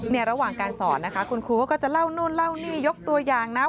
ระหว่างการสอนนะคะคุณครูก็จะเล่านู่นเล่านี่ยกตัวอย่างนะ